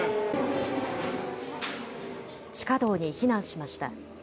地下道に避難しました。